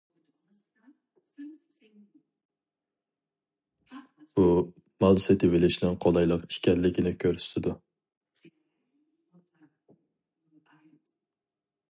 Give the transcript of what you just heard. بۇ، مال سېتىۋېلىشنىڭ قولايلىق ئىكەنلىكىنى كۆرسىتىدۇ.